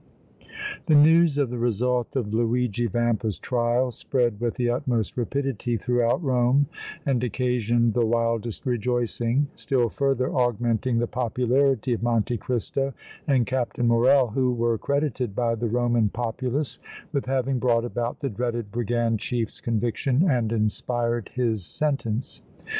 The news of the result of Luigi Vampa's trial spread with the utmost rapidity throughout Rome and occasioned the wildest rejoicing, still further augmenting the popularity of Monte Cristo and Captain Morrel, who were credited by the Roman populace with having brought about the dreaded brigand chief's conviction and inspired his sentence.